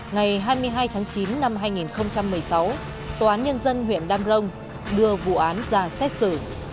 ngày hai mươi hai tháng chín năm hai nghìn một mươi sáu tòa án nhân dân huyện đam rồng đưa vụ án ra xét xử